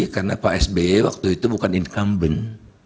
karena pak sby waktu itu bukan incumbent